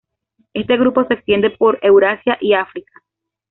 Este grupo se extiende por Eurasia y África.